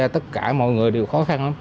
tất cả mọi người đều khó khăn lắm